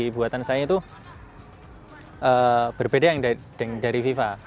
teknologi buatan saya itu berbeda dari viva